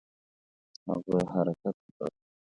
هغه حرکت وکړ.